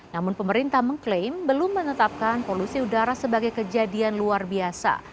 namun pemerintah mengklaim belum menetapkan polusi udara sebagai kejadian luar biasa